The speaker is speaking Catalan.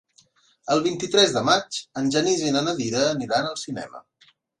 El vint-i-tres de maig en Genís i na Nàdia aniran al cinema.